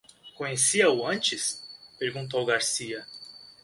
Conhecia-o antes? perguntou Garcia.